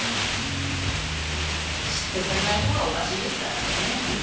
嫉妬されないほうがおかしいですからねえ。